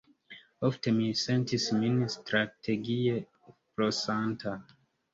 Ofte mi sentis min strategie flosanta.